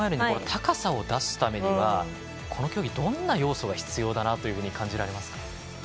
高さを出すためにはこの競技、どんな要素が必要だと感じましたか？